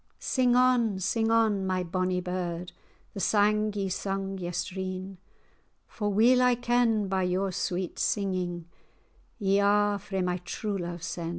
Sing on, sing on, my bonny bird, The sang ye sung yestreen, For weel I ken, by your sweet singing Ye are frae my true love sen."